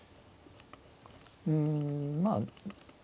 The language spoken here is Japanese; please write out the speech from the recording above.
うんまあ